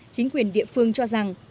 chính quyền địa phương cho rằng